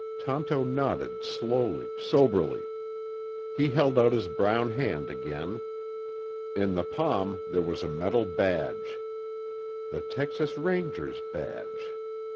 Tonto nodded slowly, soberly. He held out his brown hand again. In the palm there was a metal badge. The Texas Ranger's badge.